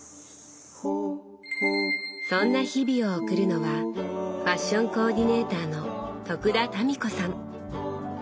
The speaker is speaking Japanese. そんな日々を送るのはファッションコーディネーターの田民子さん。